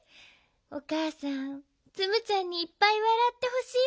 おかあさんツムちゃんにいっぱいわらってほしいもの。